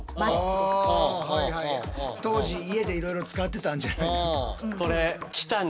当時家でいろいろ使ってたんじゃないか。